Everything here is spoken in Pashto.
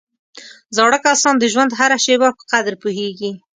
زاړه کسان د ژوند هره شېبه په قدر پوهېږي